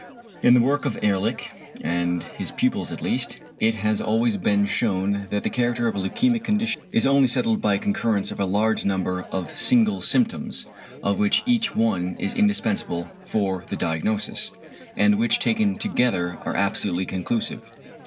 In the work of Ehrlich and his pupils at least, it has always been shewn that the character of a leukæmic condition is only settled by a concurrence of a large number of single symptoms, of which each one is indispensable for the diagnosis, and which taken together are absolutely conclusive.